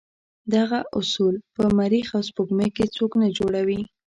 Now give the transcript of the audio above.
دغه اصول په مریخ او سپوږمۍ کې څوک نه جوړوي.